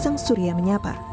sang surya menyapa